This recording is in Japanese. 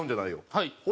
はい。